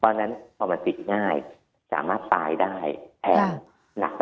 เพราะฉะนั้นพอมันติดง่ายสามารถตายได้แทงหนัก